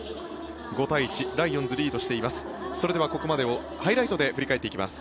５対１、ライオンズリードしています。